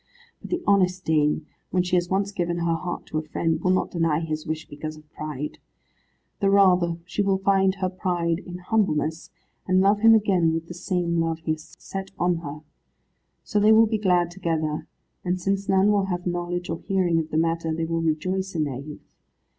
But the honest dame, when she has once given her heart to a friend, will not deny his wish because of pride. The rather she will find her pride in humbleness, and love him again with the same love he has set on her. So they will be glad together, and since none will have knowledge or hearing of the matter, they will rejoice in their youth.